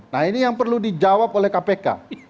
nah ini yang perlu dijawab oleh kpk